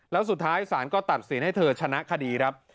แล้วสุดท้ายศาลก็ตัดสินให้เธอชนะคดีครับ